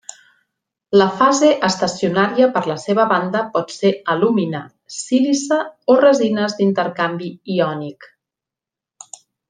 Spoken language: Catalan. La fase estacionària per la seva banda pot ser alúmina, sílice o resines d'intercanvi iònic.